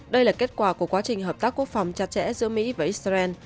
đây là kết quả của quá trình hợp tác quốc phòng chặt chẽ giữa mỹ và israel